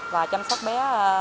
và chăm sóc bé